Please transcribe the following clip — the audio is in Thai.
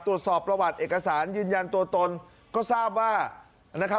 ตรวจสอบประวัติเอกสารยืนยันตัวตนก็ทราบว่านะครับ